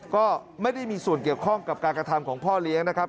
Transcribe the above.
ก็ไม่ได้มีส่วนเกี่ยวข้องกับการกระทำของพ่อเลี้ยงนะครับ